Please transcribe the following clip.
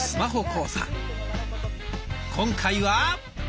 今回は。